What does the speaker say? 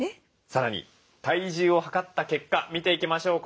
さらに体重を量った結果見ていきましょう。